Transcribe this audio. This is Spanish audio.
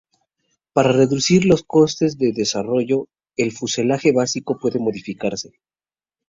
Para reducir los costes de desarrollo el fuselaje básico puede modificarse.